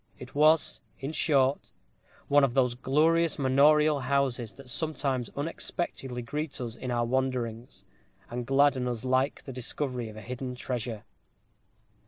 It was, in short, one of those glorious manorial houses that sometimes unexpectedly greet us in our wanderings, and gladden us like the discovery of a hidden treasure.